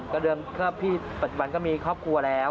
ก็เดิมก็พี่ปัจจุบันก็มีครอบครัวแล้ว